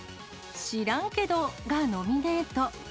知らんけどがノミネート。